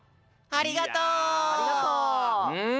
ありがとう！